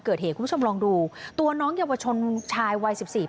พี่บ๊ายพี่บ๊ายพี่บ๊ายพี่บ๊ายพี่บ๊าย